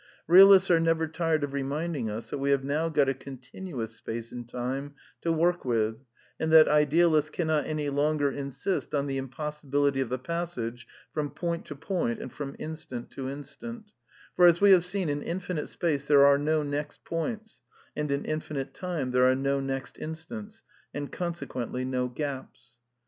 Realists are never tired of reminding us that we have now got a continuous space and time to work with, and that idealists cannot any longer insist on the im possibility of the passage from point to point and from instant to instant; for, as we have seen, in infinite space there are no next points, and in infinite time there are no next instants, and consequently no gaps.